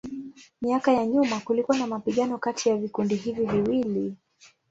Miaka ya nyuma kulikuwa na mapigano kati ya vikundi hivi viwili.